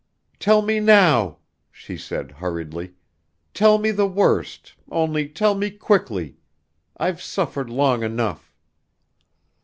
"Tell me now," she said hurriedly, "tell me the worst, only tell me quickly! I've suffered long enough!"